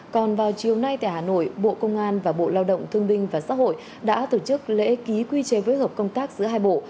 còn vào chiều nay tại hà nội bộ công an và bộ lao động thương binh và xã hội đã tổ chức lễ ký quy chế phối hợp công tác giữa hai bộ